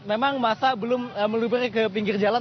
memang masa belum meluber ke pinggir jalan